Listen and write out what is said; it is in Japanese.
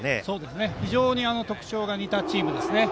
非常に特徴の似たチームですね。